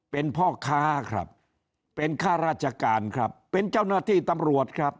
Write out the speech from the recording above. เป็นพ่อค้าครับเป็นข้าราชการครับเป็นเจ้าหน้าที่ตำรวจครับ